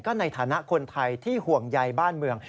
ในฐานะคนไทยที่ห่วงใยบ้านเมือง